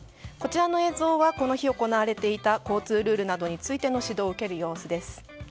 こちらの映像はこの日行われていた交通ルールなどについての指導を受ける様子です。